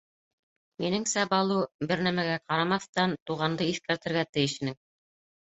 — Минеңсә, Балу, бер нәмәгә ҡарамаҫтан, Туғанды иҫкәртергә тейеш инең.